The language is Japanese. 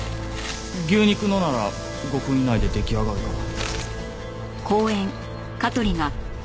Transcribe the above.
牛肉のなら５分以内で出来上がるから。